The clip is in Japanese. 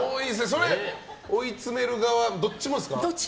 それは追い詰める側もどっちもです。